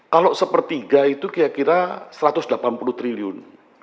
kalau sepertiga itu kira kira satu ratus delapan puluh triliun